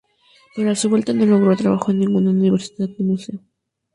Pero a su vuelta no logró trabajo en ninguna universidad ni museo.